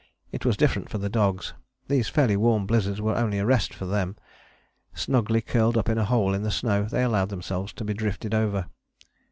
It was different for the dogs. These fairly warm blizzards were only a rest for them. Snugly curled up in a hole in the snow they allowed themselves to be drifted over.